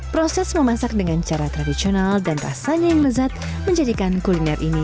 proses memasak dengan cara tradisional dan rasanya yang lezat menjadikan kuliner ini